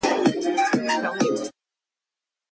He was also favoured disestablishing the Church of Ireland.